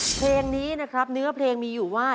เพลงนี้นะครับเนื้อเพลงมีอยู่ว่า